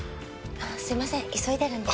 すいません急いでるんで。